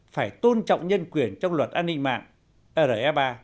phải tôn trọng nhân quyền trong luật an ninh mạng re ba